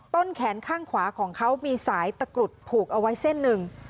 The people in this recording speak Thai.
ต้นแขนข้างขวาของเขามีสายตะกรุดผูกเอาไว้เส้นหนึ่ง